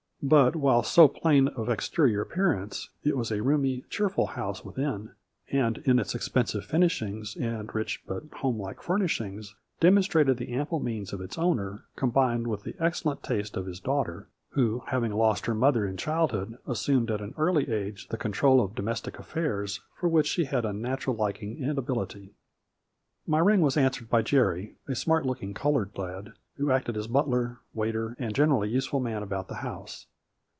But, while so plain of exterior appearance, it was a roomy, cheerful house with in, and in its expensive finishings and rich but homelike furnishings demonstrated the ample means of its owner, combined with the excellent taste of his daughter, who having lost her mother in childhood, assumed at an early age the con" trol of domestic affairs, for which she had a natural liking and ability* A FLURRY IN DIAMONDS. 13 My ring was answered by Jerry, a smart looking colored lad, who acted as butler, waiter, and generally useful man about the house.